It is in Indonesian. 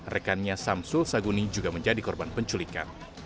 rekannya samsul saguni juga menjadi korban penculikan